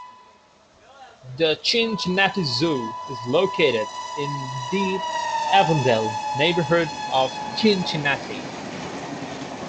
The Cincinnati Zoo is located in the Avondale neighborhood of Cincinnati.